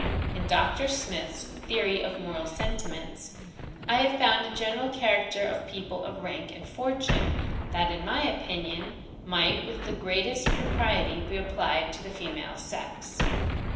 In Dr. Smith's Theory of Moral Sentiments, I have found a general character of people of rank and fortune, that in my opinion, might with the greatest propriety be applied to the female sex.